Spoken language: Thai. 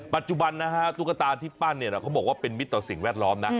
ปัจจุบันนะฮะตุ๊กตาที่ปั้นเนี่ยเขาบอกว่าเป็นมิตรต่อสิ่งแวดล้อมนะ